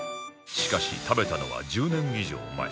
しかし食べたのは１０年以上前